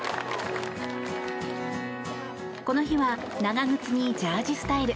この日は長靴にジャージースタイル。